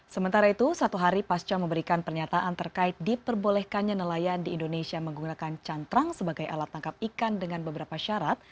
sementara itu satu hari pasca memberikan pernyataan terkait diperbolehkannya nelayan di indonesia menggunakan cantrang sebagai alat tangkap ikan dengan beberapa syarat